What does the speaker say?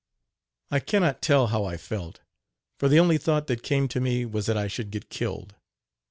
I can not tell how I felt, for the only thought that came to me was that I should get killed.